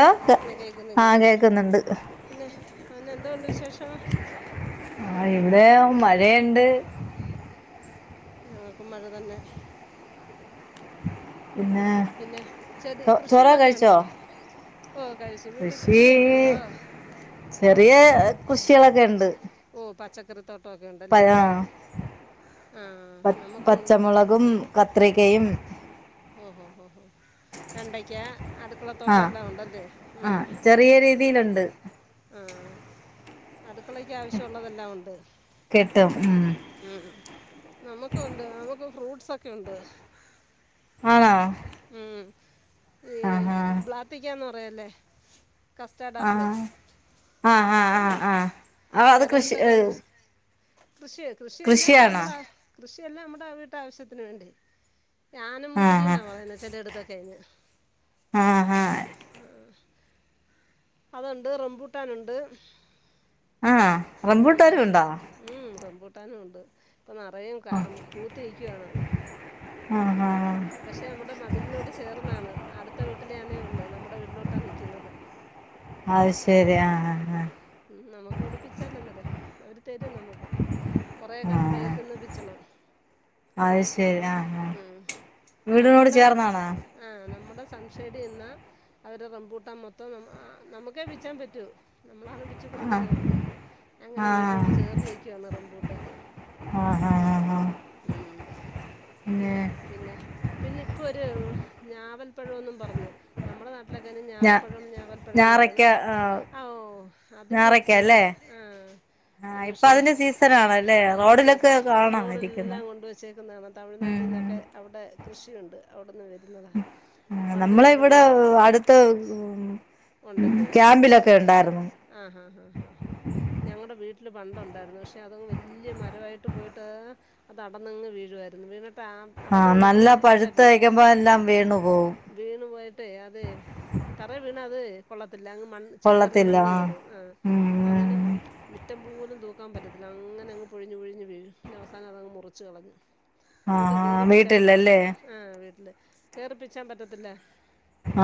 Hello കേ ന്ന് കേക്കുന്നു ആഹ് കേക്കുന്നു കേക്കുന്നുണ്ട് പിന്നെ ന്നെന്തോണ്ട് വിശേഷം മഴയെണ്ട് ഞങ്ങൾക്കും മഴ തന്നെ പിന്നെ പിന്നെ ചെടി ചോ ചോറൊക്കെ കൃഷികളൊക്കെ കഴിച്ചോ ഉണ്ടോ ഓ കഴിച്ചു വീട്ടിൽ കൃഷി കൃഷിയൊക്കെ ഉണ്ടോ കുട്ട്യേളൊക്കെ ഇണ്ട് ഓ പച്ചക്കറി തോട്ട് ഒക്കെ ഉണ്ടല്ലേ ആഹ് ആ പ നമുക്കുണ്ട് പച്ചക്കറി പച്ചമുളകും തോട്ട് കത്രിക്കയും ഓഹോ ഹൊ വെണ്ടയ്ക്ക അടുക്കളതോട്ടം ആഹ് എല്ലാമുണ്ടല്ലേ മ് ആഹ് ചെറിയ രീതിയിലുണ്ട് അടുക്കളക്ക് ആവശ്യമുള്ളതെല്ലാം ഉണ്ട് കിട്ടും ഉം ഉം നമ്മുക്കു ഉണ്ട് നമുക്ക് ഫ്രൂട്ട്സൊക്കെ ഉണ്ട് ആണാ ഉം ആഹാ പ്പേലെ ആഹ് ആഹ് ബ്ലാ ആഹ് ആഹ് ആഹ് ആ അത് കൃഷി ഏ കൃഷിയേ കൃഷിയല്ല നമ്മുടെ കൃഷിയെല്ലാ നമ്മുടെ വീട്ട് ആവശ്യത്തിന് വേണ്ടി ഞാന മുന്തിരി ആഹ് എന്നാ വ ചെല്ല എടുത്തൊ ക കഴിഞ്ഞഞ് ആഹ് ആഹ് ആഹ് അതുണ്ട് റംബൂട്ടാനുണ്ട് ആ റംബൂട്ടാനുണ്ടോ ട്ടാനുണ്ട് ഇപ്പ നിറയെ കാ പൂതിനികാണ് ആഹ് ആഹ് പശെ ഇവിടെ മതിലിനോട് ചേർന്നാണ് അട്തെ വീട്ടിലാണ്ള്ളത് നമ്മളെ വീട്ടിലോട്ടാണ് നിക്യുന്നത് അത് അത് ശരി ആ ആഹ് ആഹ് ഉം നമിക് വ്ടെ പിചാരന അവര് തരുനമ്ക് കുറേഒകെ നമ്മടെ ആഹ് എട് ത് ന് പിചണം അത് ശരി ആഹ് ആഹ് ഉം വീടിനോട് നമ്മടെ ചേർന്നാണോ ആ സംശത റെഡിന്നാ അവരെ റംബൂട്ടാൻ മൊത്തം നമ്മകെ പിച്ചാൻ പറ്റൂ നമ്മളാണ് പി ച് ആഹ് കൊടുകുന്നവർക് അങ്ങനെ വീടിനോട് ആഹ് ചേർന്നികാണ് റംബൂട്ടാൻ ആഹ് ആഹ് ആഹ് മ് പിന്നെ പിന്നെ പിന്നെ ഇപ്പൊര് ഞാവൽപഴൂന്ന് പറഞ്ഞ് നമ്മളെ നാട്ടി ട്ടിലൊകെ ഞാ ഞാറക്ക ഞാറപഴംഞാവൽപഴംനറിനൊകെ ആഹ് അഓ. അതിൻ്റെ ഞാറക്ക അല്ലേ ഒരുസീസൺ ആ ആഹ് അത് ഇപ്പൊ പക്ഷേ അതിന്റെ സീസൺ ആണല്ലേ അതിന്റെ റോഡിലൊക്കെ സീസണാണ് കാണാം ഇരിക്കുന്നെ റോഡിലെല്ലം കൊണ്ടോയിവെചേക്നാണ ഉം തമഴ്നാട്ടിന്നൊകെ അവിടെ കൃഷിയുണ്ട് അവിടുന്ന് വ നമ്മളെവിടെ അടുതെ ഉണ്ടല്ലേ ആ ആ ആ ഞങ്ങടെ വീ വീട്ടിൽ പണ്ട് ഉണ്ടായിര്നു പശേ അത് വല്യ മരായിട് പോയിട്ട് അത് അടന്ന്ങ്ങനെ വീഴായിരുന്നു അടർന്നു ആഹ് നല്ല വീഴുമ്പോൾ കേടു പോകും പഴുത്തയക്കുമ്പോ എല്ലാം വീണു പോവും വീണുപോയിട്ട് അതെ തറ വീണ് അത് കൊള തില്ല മണ്ണ് കൊള്ളത്തില്ല ചിതറിമണ്ണ് ആഹ് കേറും ആ അങ്ങനെ ഉം മിറ്റം പോലും തൂക്കാൻ പറ്റതില്ല അങ്ങനെങ്ങ് പൊഴിഞ്ഞ് പൊഴിഞ്ഞ് വീഴും അവസാനത് മുറിച്ച് കളഞ്ഞു നമുക്ക് ആഹാ കീറിപ്പിച്ചാനും വീട്ടിലല്ലേ പറ്റത്തില്ല ആ വീട്ടില് കേറിപ്പിച്ചാൻ പറ്റത്തില്ല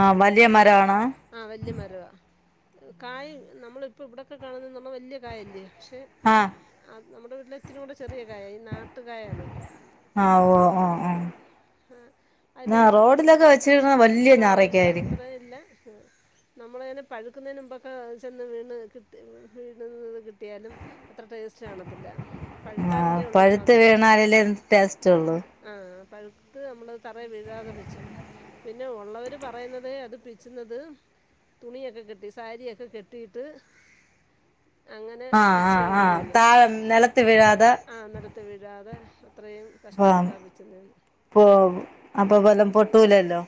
ആവലിയ മരാണോ ആ വല്യ മരുവാ കായ് നമ്മളിപം ഇവിടൊകെ കാണുന്ന വല്യ കായില്യേ ശെ അത് ആഹ് ആ നമ്മടെ വീടിലെതിനോട് ചെറിയ കായാ ഈ നാട്ട് കായേണ് ഓ അതിന്റെ ആ റോഡിലൊക്കെ വെച്ചിരുന്ന വലിയ വലുതാ ഞാറക്കായിരിക്കും അത്രേ ഇല്ല നമ്മളതിന് പഴുകുനതിന് മുംബെക്കെ ചെന്ന് വീണൊ വീണക്കേ കിട്ടിയാലും [unintelligible] അത്ര ടേസ്റ്റ് കാണത്തില്ല ആഹ് പഴുതാലൊല്ലൂഒരു പഴുത്ത് മധുരം വീണാലല്ലേ ടേസ്റ്റ് ഉള്ളൂ ആ ആ പഴുത്ത് അമ്മള് തറെ വീഴാതെ പിചണം പിന്നെ ഉള്ളോര് പറയുന്നത് അത് പിച് ന്നത് തുണിയൊകെ കെട്ടി സാരിയൊകെ കെട്ടീട്ട് അങ്ങനെ ആഹ് ആഹ് ആഹ് പിച്ചിയായിടുന്നെ താഴെ നിലത്ത് വീഴാതെ ആ നിലത്ത് വീഴാതെ അത്രേം ആഹ് കഷ്ടപെട്ടാണ് പിച്ണേന്ന് പോ അപ്പൊ വല്ലം പൊട്ടൂലല്ലോ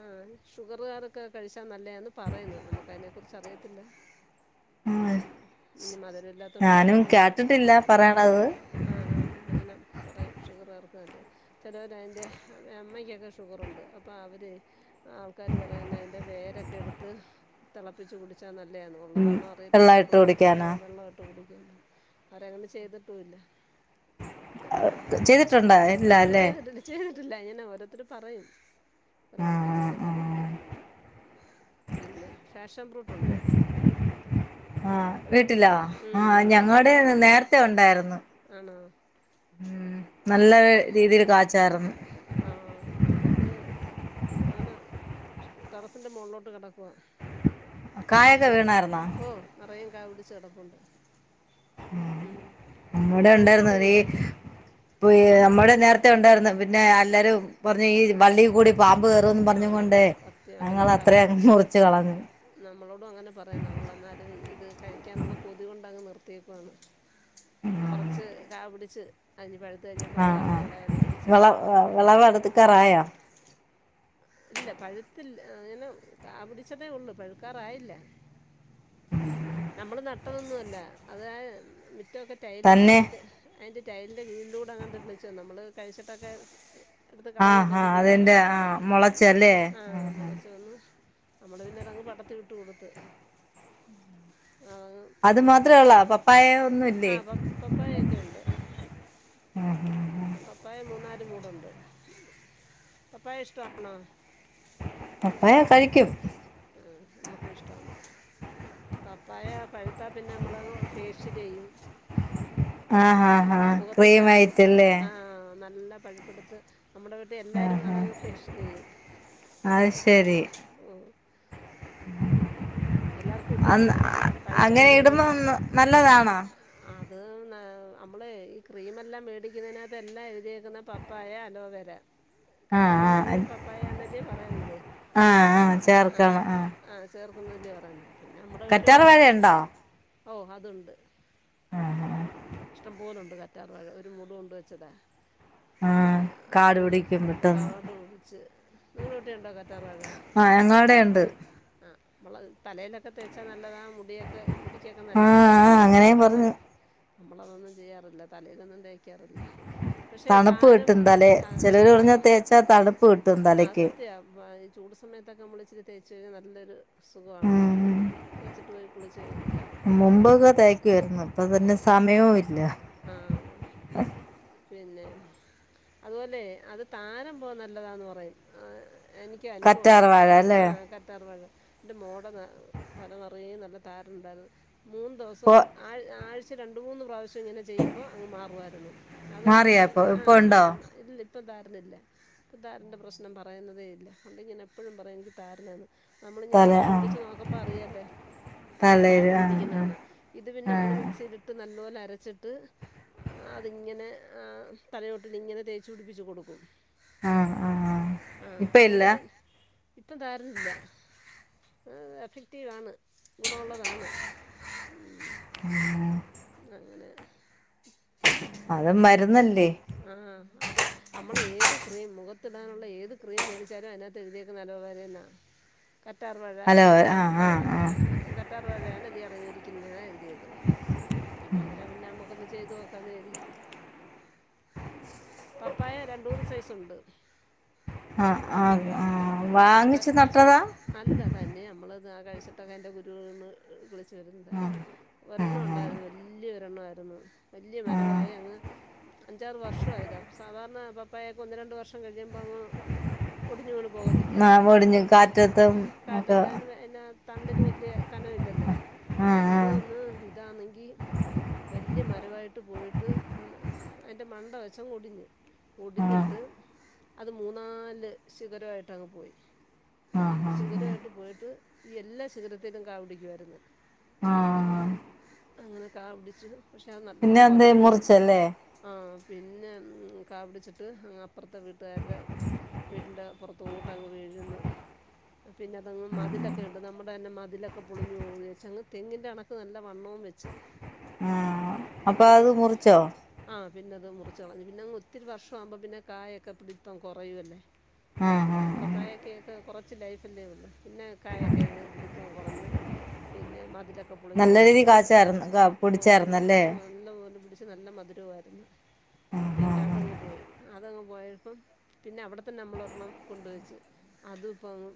ആ ഷുഗർകാരൊക് കെ കഴിച്ച നല്ലേന് പറീന് നമുക്ക് അയ്നെ കുറിച് അറിയത്തില്ല ആഹ് ഊം ഇനി മധുര ല്ലാത്തോണ്ട് ഞാനും പറയുന്നേന്ന് പറഞ്ഞു കേട്ടിട്ടില്ല പറയണത് ആ ഹാ ഹാ ഷുഗറേർക് വേണ്ടി ചെലോരൈന്റെ അമ്മയ്ക്കൊക്കെ ഷുഗറുണ്ട് അപ്പൊ അവര് ആൾക്കാർ പറ വേരൊക്കെ എടുത്ത് തെളപ്പിച്ച് കുടിച്ചാ നല് ല്ലെന്നോ ഉം ഉള്ളതാന്നോ അറിയത്തില്ല വെള്ളം ഇട്ട് നമ്മളങ്ങനെ കുടിക്കാനാ ഏ വെള്ളട്ടു കുടി അവരങ്ങനെ ചെയ്തിട്ടുല്ല ചെയ്തിട്ടുണ്ടാ ഇല്ല ല്ലെ ഇല്ല ങ്ങനെ ഓരോരുത്തർ പറയും ആഹ് ഒരാൾക്കാരിങ്ങനെ ആഹ് പറ ആഹ് പിന്നെ ഫാഷൻ ഫ്രൂട്ടുണ്ട് ആഹ് വീട്ടിലൊ ഉം ആ ഉണ്ട് ഞങ്ങടെ നേരത്തെ ഉണ്ടായിരുന്നു ആണോ ഉഊം നല്ല രീതിൽ കാചാർന്ന് ആ നമുക്ക് അങ്ങനെ ടെറസിന്റെ മോൾലോട്ട് കെട്കുവ കായൊക്കെ വീണാർന്നോ നിറയെ കാ പിടിച്ചു കെടപ്പുണ്ട് നമ്മടെ പഴുത്ത് ഉണ്ടാർനു ടീ തുടങ്ങിയില്ല പൊ ഈ നമ്മുടെ നേരത്തെ ഉണ്ടാരുന്നു പിന്നെ എല്ലാരും പറഞ് ഈ വള്ളീകൂടി പാമ്പ് കയറുംന്ന് പറഞ്ഞും ആഹ് കൊണ്ടേ സത്യം ഞങ്ങൾ അങ്ങനേംപറയും അത്രയും മുറിച്ച് കളഞ്ഞു നമ്മളോടും അങ്ങനെ പറയാ നമ്മളെന്നാലും ഇത് കഴിക്കാനുള്ള കൊതി കൊണ്ടങ്ങ് നിർ [unintelligible] കൊറച്ച് ക പിടിച്ച് അരിഞ്ഞ് പഴുത്ത് കഴിയുമ്പോൾ ആ അങ്ങ് ആ അറുത്ത് കളയാമെന്ന് വിചാരിച്ച് വെള വെളവെടുത്ത് കറായോ ഇല്ല പഴുത്തില്ല ഇങ്ങനെ കാപിടിച്ചതേ ഉള്ളു പഴുക്കാറായില്ല നമ്മൾ ന ട്ടതൊന്നു അല്ല അത് ആ റ്റോകെ റ്റയ്ലാണ് തന്നെ മയന്റെ അയ്‌ന്റെ ടൈലിന്റെ വീൻലൂടെ അങ്ങട് [unintelligible] ച്ചു നമ്മൾ കഴിച്ചിട്ടൊക്കെ എടുത്ത് ആഹ് കളയുമല്ലോ ഹാ അതിൻ്റെ കുരുവൊക്കെ അതെന്റെആ കിടക്കല്ലേ മൊള ആ മൊളചൊന്നും നമ്മള് പിന്നെതങ്ങ് പടത്തി വിട്ടു കൊടുത്ത് അതങ്ങ് അത് പൊങ്ങ മാത്രേള്ളോ പപ്പായ ഒന്നുംല്ലേ ആ പപ്പ പപ്പായൊക്കെ ഉണ്ട് ആ [unintelligible] പപ്പായശ്റ്റാ [inaudible] പപ്പായ കഴിക്കും ആ നമ്മക്കിഷ്ടാണ് പപ്പായ പഴുത്താപ്പിന്നെ നമ്മള് ഫേഷ്യല് ചെയ്യും ആ ആ ആ മുഖത്തിട്ട ക്രീം ആയിറ്റ് ല്ലേ ആ, നല്ല പഴ്പ്പ്ട്ത്ത് നമ്മുടെ വീട്ടില് എല്ലാരും ആഹ് അതങ്ങ് ഫേഷല് ചെയും ആഹ് ഓ എല്ലാവർക്കും ഇട്ട് [inaudible] കൊടുക്കാം അതെന്താ അത് നല്ല പഴുത്ത് അങ്ങനെ കഴിഞ്ഞാൽ ഇടുമ്പോ വീട്ടിൽ നല്ലതാണോ അത് നമ്മൾ ഈ ക്രീമെല്ലാം മേടിക്കുന്നതിനകത്ത് എല്ലാം എഴുതിയേക്കുന്ന പപ്പായ അലോവര ആഹ് കറ്റാർ ആഹ് വാഴയും പപ്പായന്നെ ന്നെ പറയുന്നത് ആഹ് ആഹ് ആ ചേർക്കണം ആ ചെറ [unintelligible] [inaudible] കറ്റാർവാഴണ്ടോ ഓ അതുണ്ട് ഇഷ്ടം പോലുണ്ട് കറ്റാർവാഴടെ ഒരു മുട കൊണ്ട് വെച്ചതാ ആഹ് ആ കാട് മൂന്ന് പിടിക്കും പെട്ടെന്ന് കാട് പിടിച്ച് നിങ്ങള്ടെ വീട്ടിലുണ്ടോ കാറ്റാർ വാഴ ആഹ് ഞങ്ങടെ ഉണ്ട് ആ മൊളക് തലയിലൊക്കെ തേച്ചാന നല്ലതാ മുടിയോക്കെ മുടിക്കൊക്കെ ആഹ് നല്ലന്ന് ആഹ് അങ്ങനെയും വീട്ടിലുണ്ട് പറഞ്ഞു നമ്മളതൊന്നും ചെയ്യാറില്ല തലേലൊന്നും തേയ് പക്ഷെ തണുപ്പ് താരം കിട്ടും തലേ ചിലര് പറഞ്ഞ തേച്ചാ തണുപ്പ് കിട്ടും തലയ്ക്ക് അതസത്യ ചൂട് സമയത്തൊക്കെ നമ്മള തേച്ച് കയ്യുമ്പോ നല്ലൊരു സുഖാണ് ഉം മുമ്പൊക്കെ തേക്കായിരുന്നു അപ്പൊ തന്നെ സമയവും ഇല്ല ആ പിന്നെ അതുപോലെ അത് താരൻ പോവാൻ നല്ലതാന്ന് പറയും എനിക്ക് അനുഭവം ഉണ്ട് കറ്റാർ മോ വാഴ അല്ലേ ആ കറ്റാർ വാഴ എന്റെ മോള്ടെ ത തലനിറയെ നല്ല താരനുണ്ടായിരുന്നു മൂന്ന് ദിവസം ഇപ്പൊ ആഴ് ആഴ് ച്ച് രണ്ട് മൂന്ന് പ്രാവശ്യം ഇങ്ങനെ ചെയ്യുമ്പോ അങ് മാറുമാ [inaudible] അത് മാറിയാ ഇപ്പൊ ആ ഇപ്പൊ ഉണ്ടോ [unintelligible] ഇല്ലെ ഇപ്പോ താരൻ ഇല്ല ഇപ്പോ താരൻ്റെ പ്രശ്നം പറയുന്നതേയില്ല അല്ലെങ്കിൽ ഞാൻ എപ്പഴും പറയും നിക്കി താരനാന്ന് നമ്മളിങ്ങനെ തല പിടി ച്ച് നോക്കുമ്പോ അറിയാലെ തലേല് താരൻ ആഹ് ഇരിക്കുന്നെ ന്ന് ഇത് പിന്നെ നമ്മൾ ആഹ് മിക്സ് ചെയ്തിട്ട് നല്ലപോലെ അരച്ച് അരച്ചിട്ട് അതിങ്ങനെ ആ തലയോട്ടിൽ ഇങ്ങനെ തേച്ച് പിടിപ്പിച്ച് കൊടുക്കും ആഹ് ആഹ് ആഹ് ആഹ് ഇപ്പ ഇല്ല അങ്ങനെ പിന്നെ ഇപ്പം താരൻ ഇല്ല എഫക്ടീവ് ആണ് ഗുണമുള്ളതാണ് ഉം അങ്ങനെ അത് മരുന്നല്ലേ ആ അത് നമ്മൾ ഏത് ക്രീം മുഖത്തിടാനുള്ള ഏത് ക്രീം മേടിച്ചാലും അയിനകത്ത് എഴുതിരിക്കുന്നത് ആലോവേര എന്നാ കറ്റാർവാഴ അലോ അം ആഹ് ആ ആഹ് ക ആഹ് കറ്റാർവാഴ ആണ് ഇതി അടങ്ങിയിരി ക്കിന്നത് ഇത് ന്നാ അന്നേരം പിന്നെ നമുക്കൊന്ന് ചെയ്ത് നോക്കാന്ന് കരുതി പപ്പായ രണ്ട് മൂന്ന് സൈസ് ഉണ്ട് ആഹ് ആ ഉം ആ ഇപ്പോ വ വാങ്ങിച്ചു നട്ടതാ അല്ല തന്നെ ആ കഴിച്ചിട്ടൊക്കെ അതിൻ്റെ കുരു വീണ് കിളിച്ച് [unintelligible] ആഹ് ഒരെണ്ണം ആഹ് ഉണ്ടായിരുന്നു വല്യ രണ്ണമായിരുന്നു വലിയ ആഹ് മരമായി അങ്ങ് അഞ്ചാറ് വർഷമായതാ സാധാരണ പപ്പായക്കൊന്ന് രണ്ട് വർഷം കഴിയുമ്പം അങ്ങ് ഒടിഞ്ഞ് വീണ് പോകത്തില്ലേ ആഹ് ഒടിഞ്ഞ് ഇ കാറ്റത്തും ഒക്കെ കാറ്റത്ത് അതിന് എന്നാ തണ്ടിന് വല്യ കനമില്ലല്ലേ ആഹ് ഇത് ആഹ് ഒന്ന് ഇതാന്നെങ്കി വല്യ മ വരവായിട്ട് പോയിട്ട് അയിൻ്റെ മണ്ട വെച്ചങ്ങ് ഒടിഞ്ഞ് ആഹ് ഒടിഞ്ഞിട്ട് അത് മൂന്നാല് ശിഖരമായിട്ട് അങ്ങ് പോയി ആഹ് ആഹ് ആഹ് ശിഖരമായിട്ട് പോയി ട്ട് എല്ലാ ശിഖരത്തിലും കാ പിടിക്കുമായിരുന്നു ആഹ് അങ്ങനെ കാ പിടിച്ച് പക്ഷെ അത് പിന്നെ നല്ല എന്തേ മധുരമായിരുന്നു മുറിച്ചല്ലേ ആ പിന്നെ ഉം കാപിടിചിട്ട് അങ്ങ് അപ് റത്തെ വീട്ട്കാരടെ വീടിൻ്റെ പുറത്തോട്ട് അങ്ങ് വീഴുന്ന് പിന്നെ അതങ്ങ് മാ മതിലൊക്കെ ഉണ്ട് നമ്മുടെ തന്നെ മതിലൊക്കെ പൊളിഞ്ഞു പോകും വിചാരിച്ച് അങ്ങ് തെങ്ങിൻ്റെ കണക്ക് നല്ല വണ്ണവും വെച്ചു അപ്പൊ അത് മുറിച്ചോ പിന്നെ അത് മുറിച്ച് കളഞ്ഞു പിന്നെ അങ്ങ് ഒത്തിരി വർഷമാകുമ്പോ പിന്നെ കായൊക്കെ പിടിത്തം കുറയുവല്ലേ അ ആഹ് ആഹ് ആഹ് പപ്പായൊക്കെ കുറച്ച് ലൈഫ് അല്ലേ ഉള്ളൂ പിന്നെ കായ ഒക്കെ അങ്ങ് പിടുത്തവും കുറഞ്ഞ് പിന്നെ മതിലൊക്കെ നല്ല ക്കപ്പൊളിഞ്ഞുന്ന് രീതി പറഞ്ഞ് കാച്ചായിരുന്നു കാ ഓ നല്ല പിടിച്ചായിരുന്നല്ലേ നല്ലപോലെ പിടിച്ച് നല്ല മധുരവായിരുന്നു ആഹ് പിന്നെ ആഹ് അതങ്ങ് പോയി അതങ്ങ് പോയപ്പം പിന്നെ അവിടെത്തന്നെ നമ്മളൊരെണ്ണം കൊണ്ട് വച്ച് അതും ഇപ്പംങ്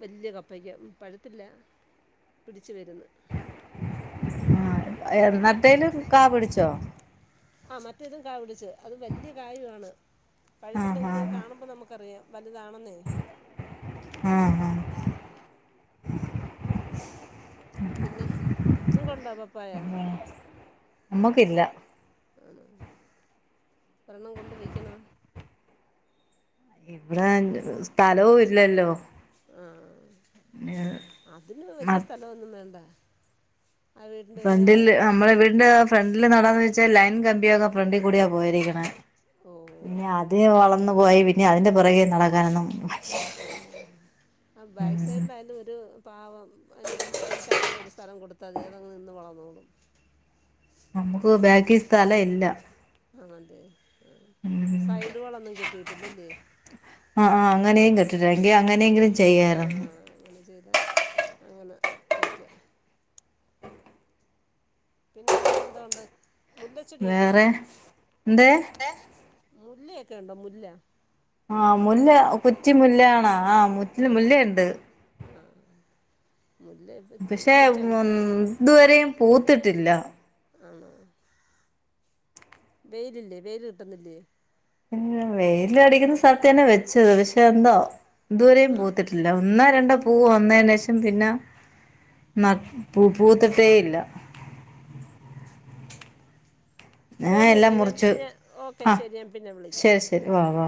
വല്ല്യ കപ്പ പയ്യ പഴത്തില്ല പിടിച്ച് വരുന്ന് എന്നട്ടേലും കാ പിടിച്ചോ ആ മറ്റേതും കാ പിടിച്ച് അത് വല്ല്യ കായുവാണ് ആഹ് പഴുത്തില്ലെങ്കിലത് ആഹ് കാണുമ്പോ നമുക്കറിയാം ലാണെന്നേ ആഹ് ആഹ് ഉം പിന്നെ നിനക്ണ്ടോ പപ്പായ മ്മക്കില്ല ആഹ് ഒരെണ്ണം കൊണ്ട് വെക്കണോ ഇവ്ടെ സ്ഥലോ ഇല്ലല്ലോ ആഹ് അതിന് വല്ല്യ സ്ഥലോന്നും വേണ്ട ആ വീടിൻ്റെ ഒരു ഫ്രണ്ടിൽ അരു അമ്മളെ വീട്ന്റെ ഫ്രണ്ടില് നടാൻ വെ ലൈൻ കമ്പിയൊക്കെ ഫ്രണ്ട് കൂടിയാ പോയിരിക്ണെ ഓ ഹേ അതെ വളം വന്നു പോയി പിന്നെ അതിന്റെ പോറകേ നടക്കാനൊന്നും ഓഹോ ആ ബാക്ക് സൈഡ്ലായാലും ഒരു പാവം അയ്നൊരു ഒര് ശകലം ഒര് സ്ഥലം കൊട് തനിയെ അതങ്ങ് നിന്ന് വളന്നോളും നമുക്ക് ബേക്കി സ്ഥല ഇല്ല ആണല്ലേ ആ. സൈഡ് വളമൊന്നും കിട്ടിയിട്ടില്ലല്ലേ ആഹ് ആഹ് ങ്ങനെയും [unintelligible] ങ്കി അങ്ങനെങ്കിലും ചെയ്യായ്യിര്ന്ന് അ അങ്ങനെ വെക്ക പിന്നെ വേറെന്തോ ഉണ്ട് മുല്ലച്ചെടിയൊക്കെ വേറെ ഉണ്ടോ ന്തേ മുല്ലയൊക്കെണ്ടോ മുല്ല ആഹ് മുല്ല കുറ്റി മുല്ല ആണ ആഹ് മുറ്റ്ന് മുല്ലയ്ണ്ട് ആഹ് മുല്ല ഇപ്പ പക്ഷെ ഇപ്പം ചെ ഒൻ ദൂവരെയും പൂത്തിട്ടില്ല ആണോ വെയിലില്ലേ വെയിൽ കിട്ടുന്നില്ലേ പിന്നെ വെയിലടിക്കുന്ന സ്ഥലത്ത് തന്നെ വെച്ചത് പക്ഷെ എന്തോ ദുവരെയും ആഹ് പൂത്തിട്ടില്ല ഒന്ന രണ്ടോ പൂവ് വന്നയ്ന്ശേഷം പിന്നെ പൂത്തിട്ടേയില്ല ശരിയെന്നാ മുറിച്ച് ഞാൻ ഓക്കെ ആഹ് ശരി ഞാൻ പിന്നെ വിളിക്കാം ശരി ശരി വാ വാ